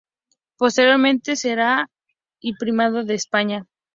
Posteriormente, será y Primado de España.